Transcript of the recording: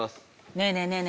ねえねえねえね